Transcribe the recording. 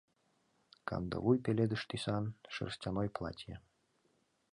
Кандывуй пеледыш тӱсан шерстяной платье...